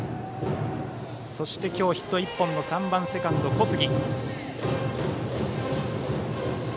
そして今日ヒット１本の３番セカンド、小杉。